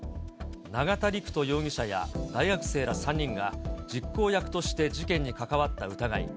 永田陸人容疑者や大学生ら３人が、実行役として事件に関わった疑い。